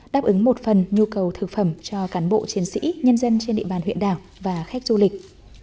đáp ứng một phần nhu cầu thực phẩm cho cán bộ chiến sĩ nhân dân trên địa bàn huyện đảo và khách du lịch